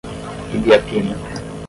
Ibiapina